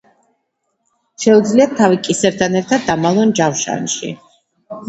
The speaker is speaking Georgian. შეუძლიათ თავი კისერთან ერთად დამალონ ჯავშანში.